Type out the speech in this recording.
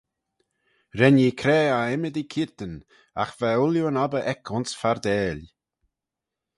Ren ee craa eh ymmodee keayrtyn agh va ooilley yn obbyr eck ayns fardail.